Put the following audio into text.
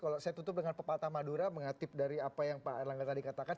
kalau saya tutup dengan pepatah madura mengatip dari apa yang pak erlangga tadi katakan